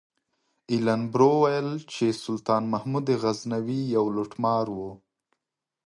ایلن برو ویل چې سلطان محمود غزنوي یو لوټمار و.